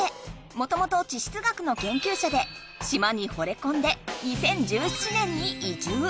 もともと地質学のけんきゅうしゃで島にほれこんで２０１７年に移住。